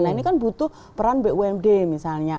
nah ini kan butuh peran bumd misalnya